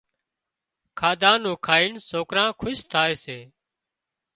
کاڌا نُون کائين سوڪران خوش ٿائي سي